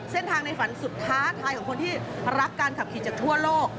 ในฝันสุดท้าทายของคนที่รักการขับขี่จากทั่วโลก